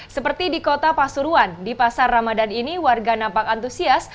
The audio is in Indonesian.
seperti di kota pasuruan di pasar ramadan ini warga nampak antusias